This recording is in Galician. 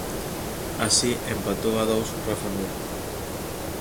Así empatou a dous Rafa Mir.